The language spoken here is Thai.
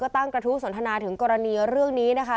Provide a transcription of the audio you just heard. ตั้งกระทู้สนทนาถึงกรณีเรื่องนี้นะคะ